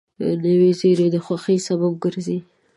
نوې زېری د خوښۍ سبب ګرځي